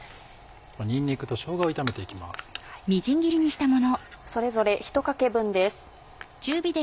にんにくとしょうがを炒めていきます。